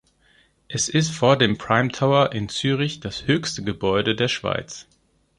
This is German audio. Es ist vor dem Prime Tower in Zürich das höchste Gebäude der Schweiz.